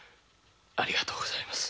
ありがとうございます。